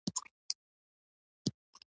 له کوره تر بس سټېشن لس دقیقې لاره ده.